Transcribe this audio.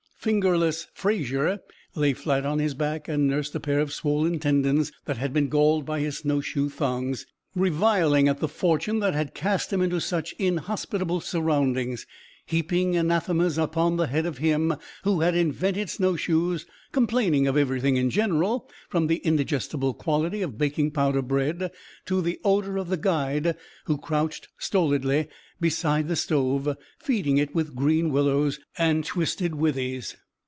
"Fingerless" Fraser lay flat on his back and nursed a pair of swollen tendons that had been galled by his snowshoe thongs, reviling at the fortune that had cast him into such inhospitable surroundings, heaping anathemas upon the head of him who had invented snowshoes, complaining of everything in general, from the indigestible quality of baking powder bread to the odor of the guide who crouched stolidly beside the stove, feeding it with green willows and twisted withes.